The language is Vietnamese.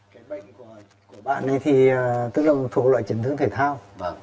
cái bệnh của bạn này thì tức là một loại trấn thương thể thao